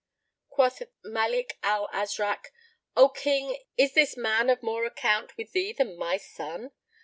Quoth the Malik al Azrak, "O King, is this man of more account with thee than my son?"